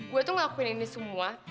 gue tuh ngelakuin ini semua